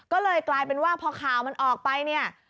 ก็เลยกลายเป็นว่าพอข่าวมันออกไปเนี่ย